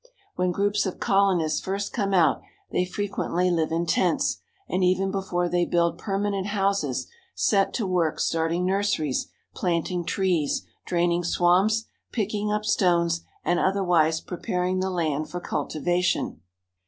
When groups of colonists first come out they fre quently live in tents, and even before they build perma nent houses set to work starting nurseries, planting trees, draining swamps, picking up stones, and otherwise preparing the land for cultivation.